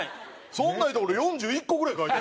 そんなん言うたら俺４１個ぐらい書いた。